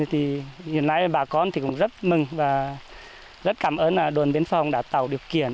hiện nay bà con cũng rất mừng và rất cảm ơn đoàn biên phòng đã tạo điều kiện